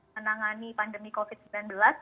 menangani pandemi covid sembilan belas